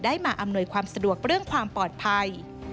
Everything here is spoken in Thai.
มาอำนวยความสะดวกเรื่องความปลอดภัย